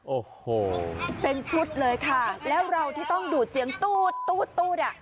โอ้โหเป็นชุดเลยค่ะแล้วเราที่ต้องดูดเสียงตู๊ดอ่ะ